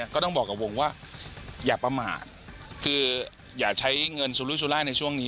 ก็ต้องบอกกับวงว่าอย่าประมาทคืออย่าใช้เงินซูลูซูล่าในช่วงนี้